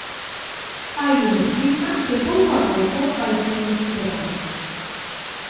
Hai un estigma que pouco a pouco vai sendo superado.